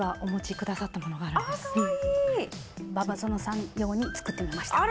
馬場園さん用に作ってみました！